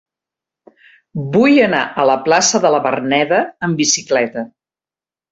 Vull anar a la plaça de la Verneda amb bicicleta.